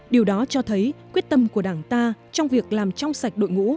điều đó cho thấy quyết tâm của đảng ta trong việc làm trong sạch đội ngũ